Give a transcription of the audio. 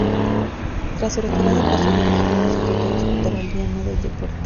Tras su retirada paso a dirigir el Instituto Australiano del Deporte.